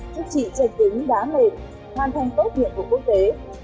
chúc chị danh tính đá mệt hoàn thành tốt nhiệm vụ quốc tế